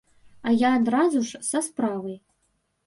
А я адразу ж са справай.